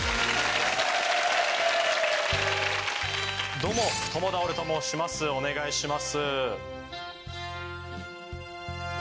どうも友田オレと申しますお願いします。